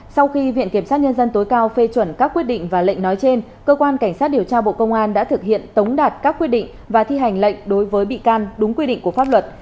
sau khi viện kiểm sát nhân dân tối cao phê chuẩn các quyết định và lệnh nói trên cơ quan cảnh sát điều tra bộ công an đã thực hiện tống đạt các quyết định và thi hành lệnh đối với bị can đúng quy định của pháp luật